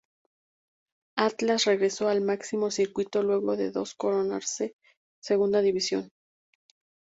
Atlas regresó al máximo circuito luego de coronarse en Segunda División.